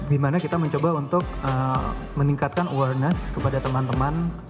dimana kita mencoba untuk meningkatkan awareness kepada teman teman